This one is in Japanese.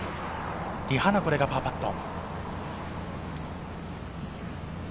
リ・ハナ、これがパーパット。